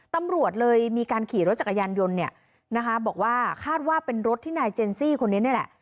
ตำรวจเลยมีการขี่รถจักรยานยนต์เนี่ยนะคะบอกว่าคาดว่าเป็นรถที่นายเจนซี่คนนี้นี่แหละ